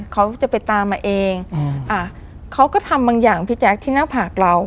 เขาจะไปตามมาเองอืมอ่าเขาก็ทำบางอย่างพี่แจ๊คที่หน้าผากเรา